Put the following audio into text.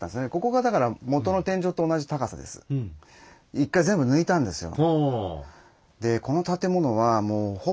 １回全部抜いたんですよ。